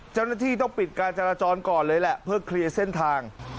เจ้าหน้าที่ต้องปิดการจราจรก่อนเลยแหละเพื่อเคลียร์เส้นทาง